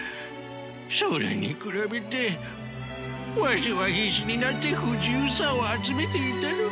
それに比べてわしは必死になって不自由さを集めていたのか。